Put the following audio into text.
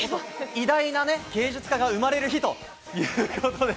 偉大なね、芸術家が生まれる日ということで。